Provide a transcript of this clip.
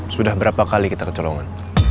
sudah berapa kali kitar celongan